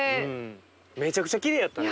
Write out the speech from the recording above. めちゃくちゃきれいやったね。